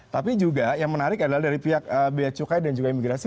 tapi juga yang menarik adalah dari pihak bea cukai dan juga imigrasi